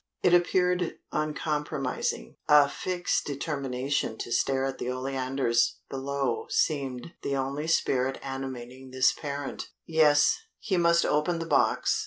It appeared uncompromising. A fixed determination to stare at the oleanders below seemed the only spirit animating this parent. Yes he must open the box.